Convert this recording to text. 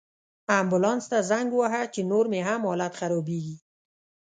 امبولانس ته زنګ ووهه، چې نور مې هم حالت خرابیږي